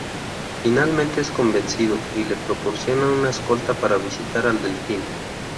Finalmente, es convencido, y le proporciona una escolta para visitar al Delfín.